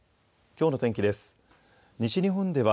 きょうの天気です。